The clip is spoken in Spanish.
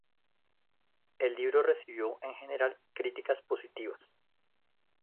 El libro recibió, en general, críticas positivas.